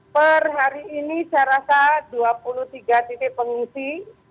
per hari ini saya rasa dua puluh tiga titik pengungsi